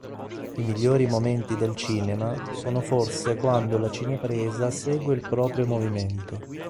I migliori momenti del cinema sono forse quando la cinepresa segue il proprio movimento.